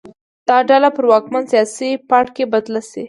دا ډله پر واکمن سیاسي پاړکي بدله شي.